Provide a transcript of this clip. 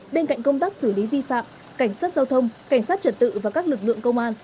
bên cạnh công tác xử lý vi phạm cảnh sát giao thông cảnh sát trật tự và các lực lượng công an